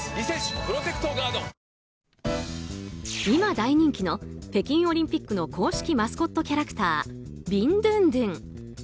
今大人気の北京オリンピックの公式マスコットキャラクタービンドゥンドゥン。